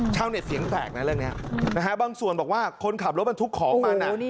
ชาวเน็ตเสียงแตกนะเรื่องนี้นะฮะบางส่วนบอกว่าคนขับรถบรรทุกของมัน